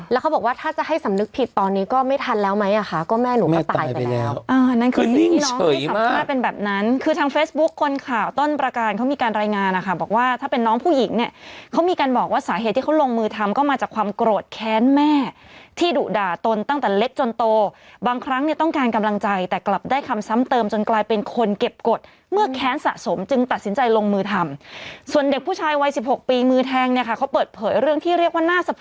แล้วเขาบอกว่าถ้าจะให้สำนึกผิดตอนนี้ก็ไม่ทันแล้วไหมอะค่ะก็แม่หนูถ้าตายไปแล้ว